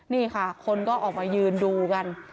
นี่ค่ะคนก็ออกมายืนดูกัน